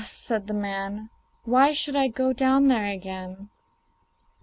said the man, 'why should I go down there again?